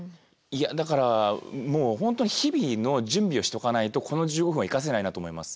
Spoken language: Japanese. いやだからもう本当日々の準備をしておかないとこの１５分は生かせないなと思います。